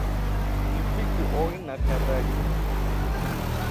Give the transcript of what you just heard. [muʃikiθi] na kadhalika